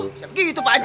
bisa begitu pak haji